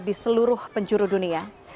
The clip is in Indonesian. di seluruh penjuru dunia